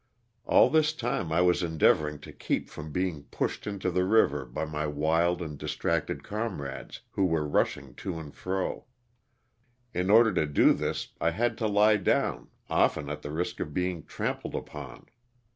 All this time I was endeavoring to keep from being pushed into the river by my wild and distracted com rades who were rushing to and fro. In order to do this I had to lie down often at the risk of being trampled upon.